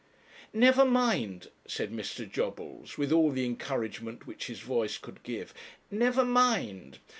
'Never mind,' said Mr. Jobbles, with all the encouragement which his voice could give, 'never mind.